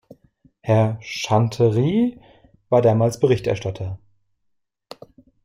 Herr Chanterie war damals Berichterstatter.